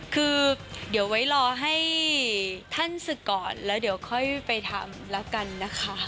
คือเดี๋ยวไว้รอให้ท่านศึกก่อนแล้วเดี๋ยวค่อยไปทำแล้วกันนะคะ